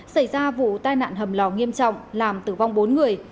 xảy ra vụ tai nạn hầm lò nghiêm trọng làm tử vong bốn người